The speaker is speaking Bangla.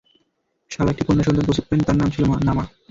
সালা একটি কন্যা সন্তান প্রসব করেন, তার নাম ছিল নামা।